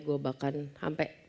gue bahkan hampir